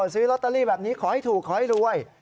ซื้อลอตเตอรี่แบบนี้ขอให้ถูกขอให้รวย